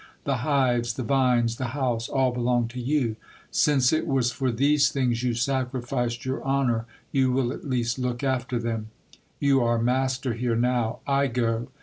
" The hives, the vines, the house, all belong to you. Since it was for these things you sacrificed your honor, you will at least look after them. You are master here now. I go.